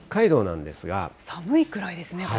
寒いくらいですね、これ。